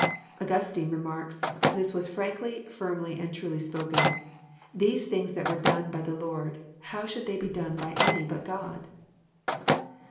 Augustine remarks: "This was frankly, firmly, and truly spoken. These things that were done by the Lord, how should they be done by any but Grod?